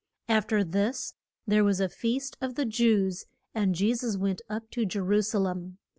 Af ter this there was a feast of the Jews, and Je sus went up to Je ru sa lem.